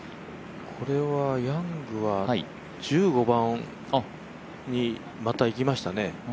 これは、ヤングは１５番にまた行きましたね。